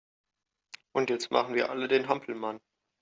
Und jetzt machen wir alle den Hampelmann!